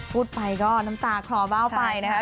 พูดไปก็น้ำตาคลอเบ้าไปนะครับ